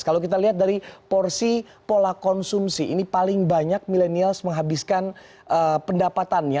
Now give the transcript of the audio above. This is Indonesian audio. kalau kita lihat dari porsi pola konsumsi ini paling banyak milenials menghabiskan pendapatannya